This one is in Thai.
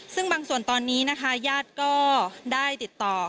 ซึ่งบางส่วนตอนนี้นะคะญาติก็ได้ติดต่อ